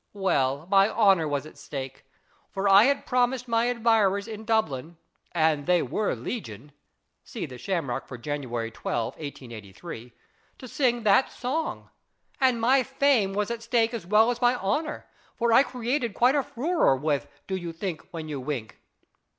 Well, my honour was at stake, for I had promised my admirers in Dublin and they were legion (see the Shamrock for January 12, 1883) to sing that song. And my fame was at stake as well as my honour, for I created quite a furore with * Do you think when you wink